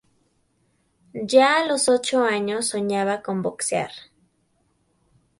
Ya a los ocho años soñaba con boxear.